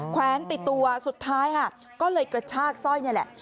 แวนติดตัวสุดท้ายค่ะก็เลยกระชากสร้อยนี่แหละ